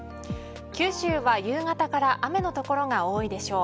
九州は夕方から雨の所が多いでしょう。